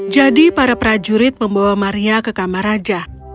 jadi para prajurit membawa maria ke kamar raja